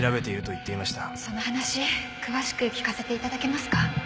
その話詳しく聞かせて頂けますか？